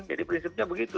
jadi prinsipnya begitu